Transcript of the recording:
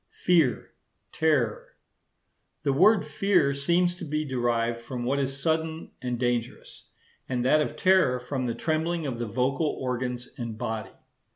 Fear, Terror.—The word 'fear' seems to be derived from what is sudden and dangerous; and that of terror from the trembling of the vocal organs and body.